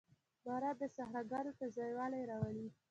• باران د صحراګانو تازهوالی راولي.